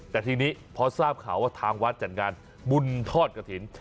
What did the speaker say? แต่ทีนี้พอทราบข่าวว่าทางวัดจัดงานบุญทอดกระถิ่น